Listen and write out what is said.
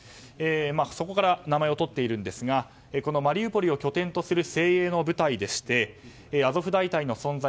そこから名前をとっているんですがこのマリウポリを拠点とする精鋭の部隊でしてアゾフ大隊の存在